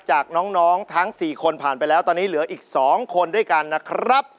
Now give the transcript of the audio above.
จากน้องทั้ง๔คนผ่านไปแล้วตอนนี้เหลืออีก๒คนด้วยกันนะครับ